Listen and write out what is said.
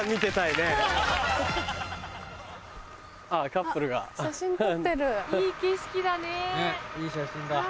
ねっいい写真だ。